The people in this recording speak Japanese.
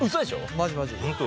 マジマジ。